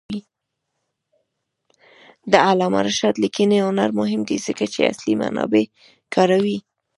د علامه رشاد لیکنی هنر مهم دی ځکه چې اصلي منابع کاروي.